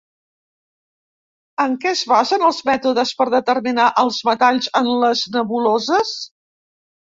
En què es basen els mètodes per determinar els metalls en les nebuloses?